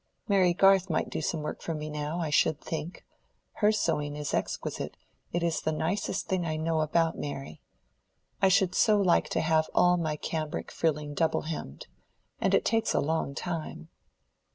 Mary Garth might do some work for me now, I should think. Her sewing is exquisite; it is the nicest thing I know about Mary. I should so like to have all my cambric frilling double hemmed. And it takes a long time."